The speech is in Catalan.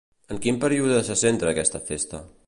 En quin període se centra aquesta festa?